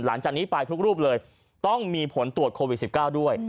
หลังจากนี้ไปทุกรูปเลยต้องมีผลตรวจโควิด๑๙ด้วย